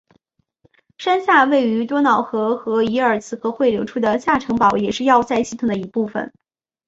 山下位于多瑙河和伊尔茨河汇流处的下城堡也是要塞系统的一部分。